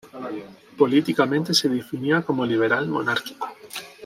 Políticamente se definía como liberal monárquico.